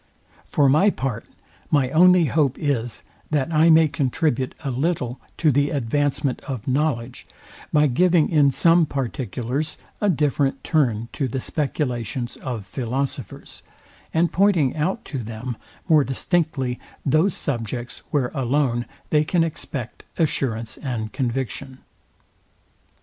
For my part, my only hope is, that I may contribute a little to the advancement of knowledge, by giving in some particulars a different turn to the speculations of philosophers, and pointing out to them more distinctly those subjects, where alone they can expect assurance and conviction.